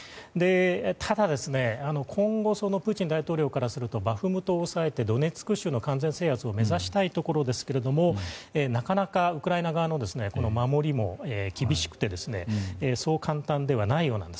ただ、今後プーチン大統領からするとバフムトを抑えてドネツク州の完全制圧を目指したいところですがなかなかウクライナ側の守りも厳しくてそう簡単ではないようなんです。